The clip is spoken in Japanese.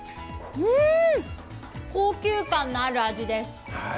高級感のある味です。